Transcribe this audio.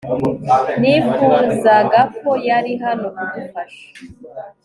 Nifuzaga ko yari hano kudufasha